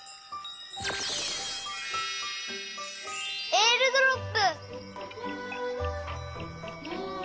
えーるドロップ！